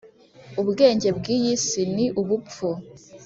ubwenge bw iyi si ni ubupfu